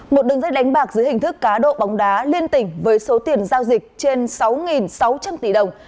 một đường dây đánh bạc dưới hình thức cá độ bóng đá liên tỉnh với số tiền giao dịch trên sáu sáu trăm linh tỷ đồng